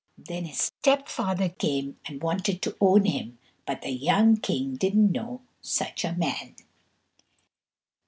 Then his step father came and wanted to own him, but the young king didn't know such a man.